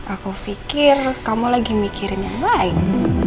aku pikir kamu lagi mikirin yang lain